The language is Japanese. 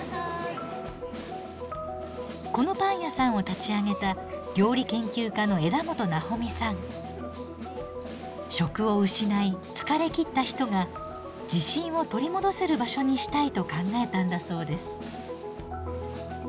このパン屋さんを立ち上げた職を失い疲れきった人が自信を取り戻せる場所にしたいと考えたんだそうです。